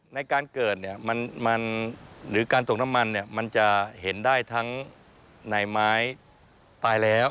ในการเกิดเนี่ยมันหรือการตกน้ำมันเนี่ยมันจะเห็นได้ทั้งในไม้ตายแล้ว